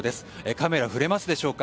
カメラ振れますでしょうか。